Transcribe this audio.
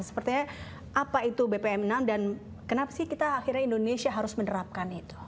sepertinya apa itu bpm enam dan kenapa sih kita akhirnya indonesia harus menerapkan itu